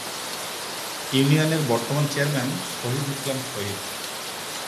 ইউনিয়নের বর্তমান চেয়ারম্যান শহিদ ইসলাম শহিদ।